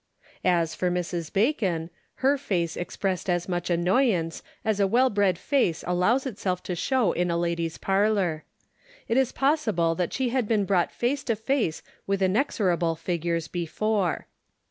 As for Mrs. Bacon, her face expressed as much annoyance as a well bred face allows itself to show in a lady's parlor. It is possible that she had been brought face to face with inexorable figures before.